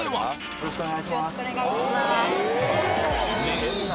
よろしくお願いします